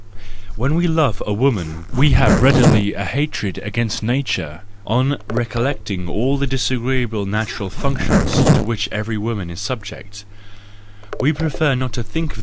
—When we love a woman we have readily a hatred against nature, on recollecting all the disagreeable natural functions to which every woman is subject; we prefer not to think of